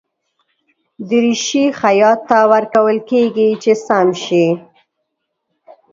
دریشي خیاط ته ورکول کېږي چې سم شي.